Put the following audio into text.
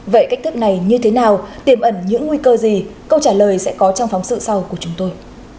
vậy cách thức này như thế nào tiềm ẩn những nguy cơ gì câu trả lời sẽ có trong phóng sự sau của chúng tôi